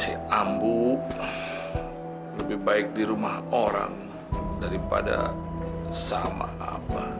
si ambu lebih baik di rumah orang daripada sama aba